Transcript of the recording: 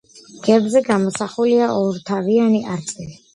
გერბზე გამოსახულია ორთავიანი არწივი.